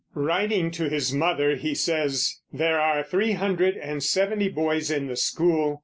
Writing to his mother he says: "There are three hundred and seventy boys in the school.